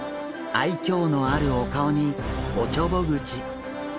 愛嬌のあるお顔におちょぼ口。